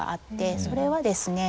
それはですね